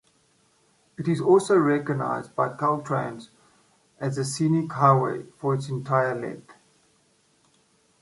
It is also recognized by Caltrans as a scenic highway for its entire length.